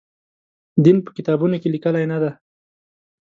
دین په کتابونو کې لیکلي نه دی.